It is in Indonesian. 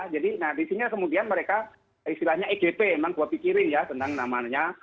jadi nah di sini kemudian mereka istilahnya egp memang gua pikirin ya tentang namanya